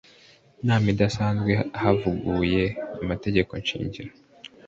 nama idasanzwe bavuguruye amategeko shingiro